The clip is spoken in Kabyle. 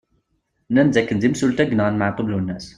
Nnan-d d akken d imsulta i yenɣan Maɛtub Lwennas.